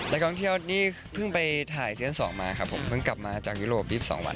นักท่องเที่ยวนี่เพิ่งไปถ่ายเซียน๒มาครับผมเพิ่งกลับมาจากยุโรป๒๒วัน